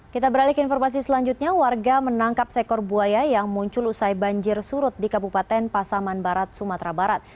kita beralih ke informasi selanjutnya warga menangkap sekor buaya yang muncul usai banjir surut di kabupaten pasaman barat sumatera barat